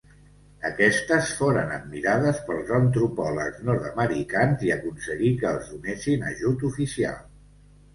Aquestes foren admirades pels antropòlegs nord-americans, i aconseguí que els donessin ajut oficial.